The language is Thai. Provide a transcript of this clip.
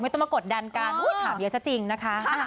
ต้องมากดดันกันถามเยอะซะจริงนะคะ